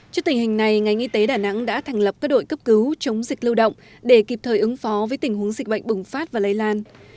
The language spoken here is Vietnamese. trước tình hình này ngành y tế đà nẵng đã thành lập các đội cấp cứu chống dịch lưu động để kịp thời ứng phó với tình huống dịch bệnh bùng phát và lây lan